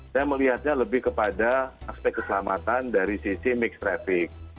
saya melihatnya lebih kepada aspek keselamatan dari sisi mixed traffic